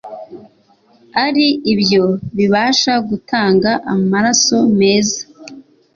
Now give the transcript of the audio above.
ari byo bibasha gutanga amaraso meza.